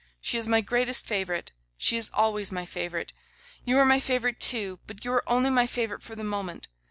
She is my greatest favourite. She is always my favourite. You are my favourite, too; but you are only my favourite for the moment.